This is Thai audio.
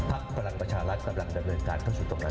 พลังประชารัฐกำลังดำเนินการเข้าสู่ตรงนั้น